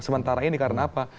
sementara ini karena apa